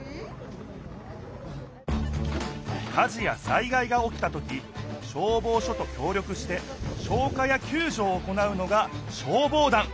火事や災害がおきたとき消防署と協力して消火やきゅうじょを行うのが消防団。